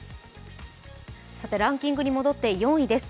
ランキングに戻って４位です